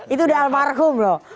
itu udah almarhum loh